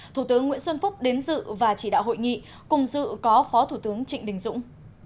thủ tướng nguyễn xuân phúc đến dự và chỉ đạo hội nghị cùng dự có phó thủ tướng trịnh đình dũng